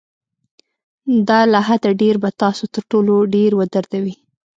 دا له حده ډېر به تاسو تر ټولو ډېر ودردوي.